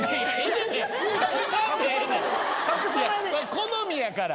好みやから！